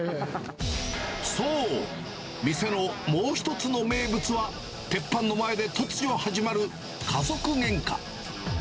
そう、店のもう１つの名物は、鉄板の前で突如始まる家族げんか。